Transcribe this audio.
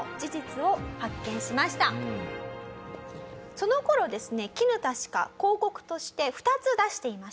その頃ですねきぬた歯科広告として２つ出していました。